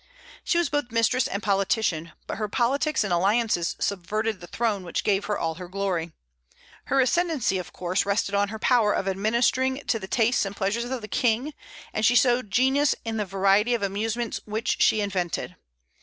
She was both mistress and politician, but her politics and alliances subverted the throne which gave her all her glory. Her ascendency of course rested on her power of administering to the tastes and pleasures of the 'King, and she showed genius in the variety of amusements which she invented.